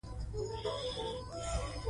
ويني په جوش راغلې.